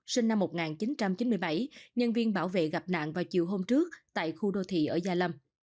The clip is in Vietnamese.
sinh năm một nghìn chín trăm chín mươi bảy nhân viên bảo vệ gặp nạn vào chiều hôm trước tại khu đô thị ở gia lâm